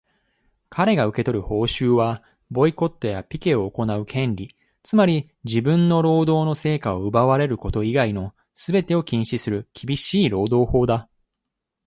かれが受け取る報酬は、ボイコットやピケを行う権利、つまり自分の労働の成果を奪われること以外のすべてを禁止する厳しい労働法だ。